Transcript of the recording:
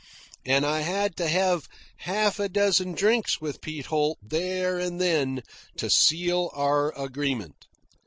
And I had to have half a dozen drinks with Pete Holt there and then to seal our agreement.